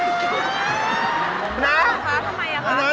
น่าทำไมล่ะคะ